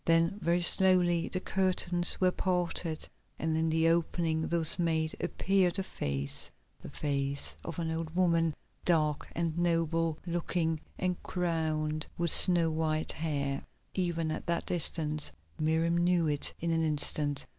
Then very slowly the curtains were parted, and in the opening thus made appeared a face, the face of an old woman, dark and noble looking and crowned with snow white hair. Even at that distance Miriam knew it in an instant.